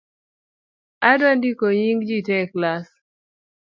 Adwa ndiko nying’ jii tee e klass